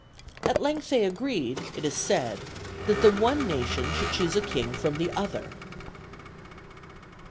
At length they agreed, it is said, that the one nation should choose a king from the other.